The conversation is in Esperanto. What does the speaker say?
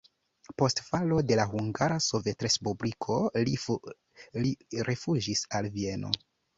Post falo de la Hungara Sovetrespubliko li rifuĝis al Vieno.